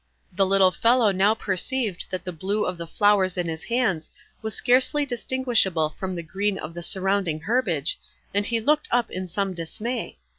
The little fellow now perceived that the blue of the flowers in his hands was scarcely distinguishable from the green of the surrounding herbage, and he looked up in some dismay.